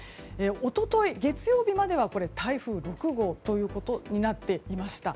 一昨日、月曜日までは台風６号ということになっていました。